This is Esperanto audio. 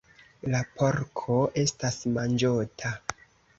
La porko estas manĝota.